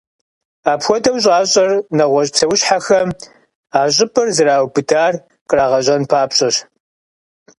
Апхуэдэу щӏащӏэр, нэгъуэщӏ псэущхьэхэм, а щӏыпӏэр зэраубыдар кърагъэщӏэн папщӏэщ.